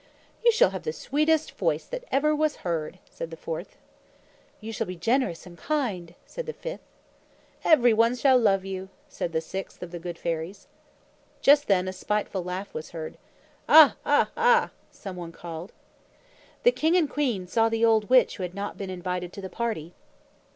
"You shall have the sweetest voice that ever was heard," said the fourth. "You shall be generous and kind," said the fifth. "Everyone shall love you," said the sixth of the good fairies. Just then a spiteful laugh was heard. "Ah, ah, ah!" some one called. The king and queen saw the old witch who had not been invited to the party.